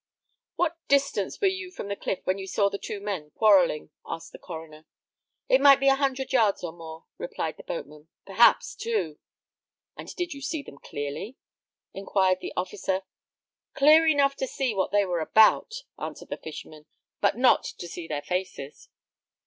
"What distance were you from the cliff when you saw the two men quarrelling?" asked the coroner. "It might be a hundred yards or more," replied the boatman; "perhaps two." "And did you see them clearly?" inquired the officer. "Clear enough to see what they were about," answered the fisherman, "but not to see their faces."